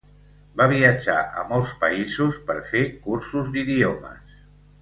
Va viatjar a molts països per fer cursos d'idiomes.